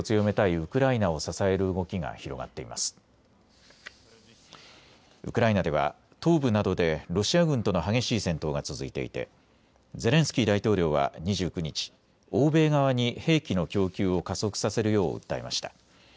ウクライナでは東部などでロシア軍との激しい戦闘が続いていてゼレンスキー大統領は２９日、欧米側に兵器の供給を加速させるよう訴えました。